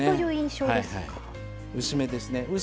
薄めですね。